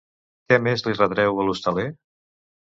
Què més li retreu a l'hostaler?